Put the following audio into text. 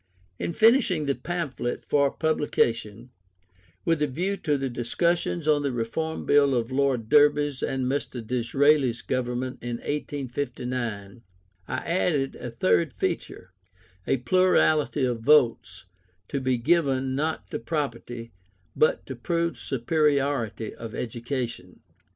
In finishing the pamphlet for publication, with a view to the discussions on the Reform Bill of Lord Derby's and Mr. Disraeli's Government in 1859, I added a third feature, a plurality of votes, to be given, not to property, but to proved superiority of education.